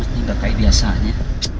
sepi amat nih gak kayak biasanya